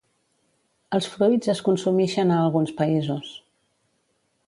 Els fruits es consumixen a alguns països.